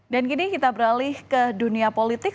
dan kini kita beralih ke dunia politik